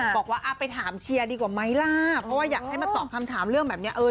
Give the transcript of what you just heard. บอกว่าไปถามเชียร์ดีกว่าไหมล่ะเพราะว่าอยากให้มาตอบคำถามเรื่องแบบนี้เออ